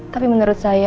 tapi menurut saya